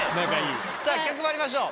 さぁ企画まいりましょう。